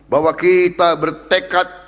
bahwa kita bertekad